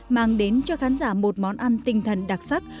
mang đến cho khán giả một món ăn tinh thần đặc sắc